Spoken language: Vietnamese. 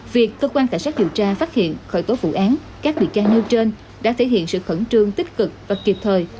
việc cơ quan cảnh sát điều tra phát hiện khởi tố vụ án các bị can nêu trên đã thể hiện sự khẩn trương tích cực và kịp thời